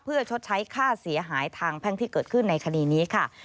เพื่อชดใช้ค่าเสียหายทางแพ่งที่เกิดขึ้นในคดีนี้ค่ะ